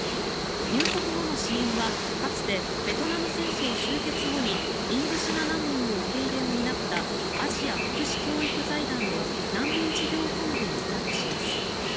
入国後の支援はかつてベトナム戦争終結後にインドシナ難民の受け入れを担った、アジア福祉教育財団の難民事業本部に委託します。